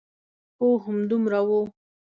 هو، همدومره و.